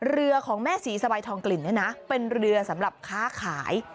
เรือของแม่ศรีสบายทองกลิ่นเนี่ยนะเป็นเรือสำหรับค้าขาย